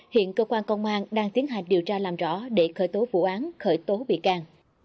hiện cơ quan công an đang tiến hành điều tra làm rõ để khởi tố vụ án khởi tố bị can